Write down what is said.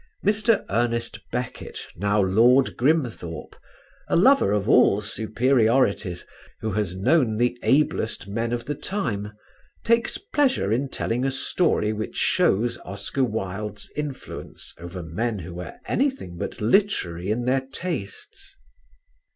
Mr. Ernest Beckett, now Lord Grimthorpe, a lover of all superiorities, who has known the ablest men of the time, takes pleasure in telling a story which shows Oscar Wilde's influence over men who were anything but literary in their tastes.